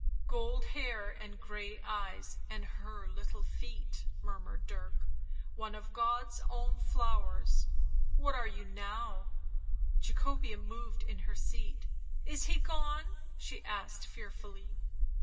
" Gold hair and grey eyes — and her little feet," murmured Dirk ;" one of God's own flowers — what are you now 1 ?" Jacobea moved in her seat. " Is he gone?" she asked fearfully.